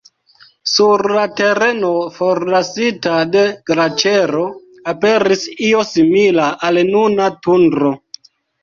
Sur la tereno forlasita de glaĉero aperis io simila al nuna tundro.